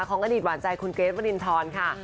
ของอดีตหวานใจคุณเกรทวรินทรค่ะ